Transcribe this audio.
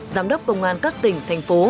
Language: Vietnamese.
giám đốc công an các tỉnh thành phố